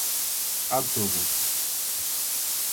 A todos?